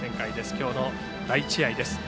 今日の第１試合です。